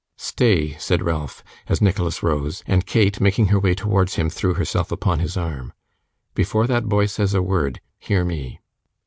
'Stay,' said Ralph, as Nicholas rose, and Kate, making her way towards him, threw herself upon his arm. 'Before that boy says a word, hear me.